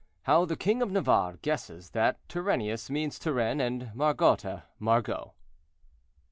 HOW THE KING OF NAVARRE GUESSES THAT "TURENNIUS" MEANS TURENNE, AND "MARGOTA" MARGOT.